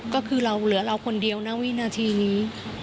ก็คือเราเหลือเราคนเดียวนะวินาทีนี้